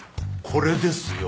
これですよ。